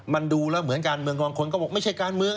มันดูแล้วเหมือนการเมืองบางคนก็บอกไม่ใช่การเมือง